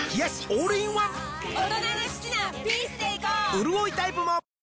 うるおいタイプも